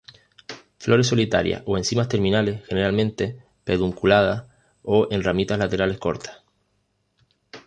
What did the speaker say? Flores solitarias o en cimas terminales, general-mente pedunculadas, o en ramitas laterales cortas.